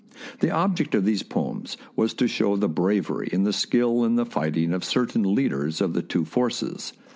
The object of these poems was to show the bravery and the skill in the fighting of certain leadeYs of the two forces.